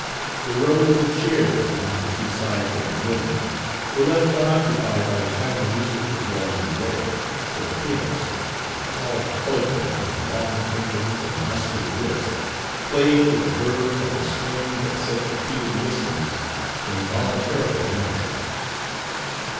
The rows of chairs along the two sides of the room were left unoccupied by the time the music was well under way, for the pianist, a tall colored woman with long fingers and a muscular wrist, played Page 26 with a verve and a swing that set the feet of the listeners involuntarily in motion.